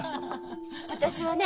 私はね